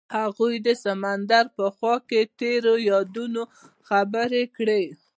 هغوی د سمندر په خوا کې تیرو یادونو خبرې کړې.